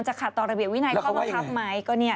จะตัดต่อระเบียนวินัยไหม